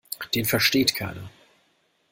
Den versteht keiner.